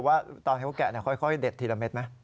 ว่าตอนเขาแกะค่อยเด็ดทีละเม็ดไหม